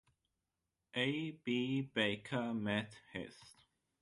A B Baker Med Hist.